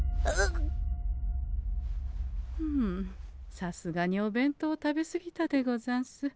ふうさすがにお弁当を食べ過ぎたでござんす。